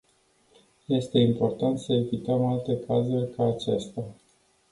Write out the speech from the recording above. Este important să evităm alte cazuri ca acesta.